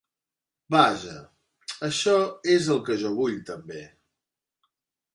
Vaja...Això és el que jo vull també.